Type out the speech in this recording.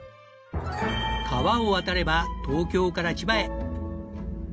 川を渡れば東京から千葉へ。